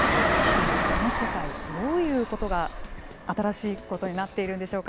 今、この世界どういうことが新しいことになっているんでしょうか。